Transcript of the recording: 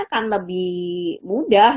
akan lebih mudah